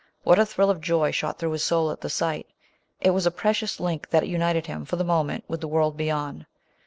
What a thrill of joy shot through his soul at the sight ! It was a precious link, that united him, for the moment, with the world beyond.